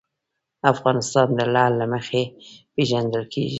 افغانستان د لعل له مخې پېژندل کېږي.